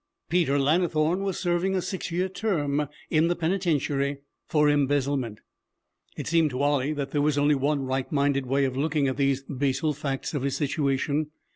Peter Lannithorne was serving a six year term in the penitentiary for embezzlement. It seemed to Ollie that there was only one right minded way of looking at these basal facts of his situation.